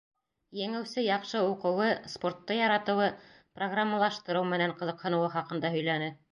Еңеүсе яҡшы уҡыуы, спортты яратыуы, программалаштырыу менән ҡыҙыҡһыныуы хаҡында һөйләне.